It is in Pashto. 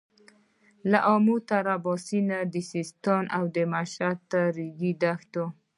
له امو تر اباسينه د سيستان او مشهد تر رېګي دښتو.